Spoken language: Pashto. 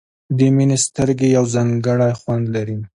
د مینې سترګې یو ځانګړی خوند لري.